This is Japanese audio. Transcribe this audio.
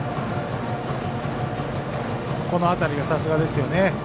この辺りがさすがですよね。